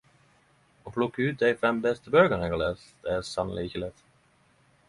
Å plukke ut dei fem beste bøkene eg har lese er sanneleg ikkje lett!